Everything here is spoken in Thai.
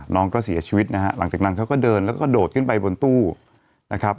น้องก็เสียชีวิตนะฮะหลังจากนั้นเขาก็เดินแล้วก็โดดขึ้นไปบนตู้นะครับ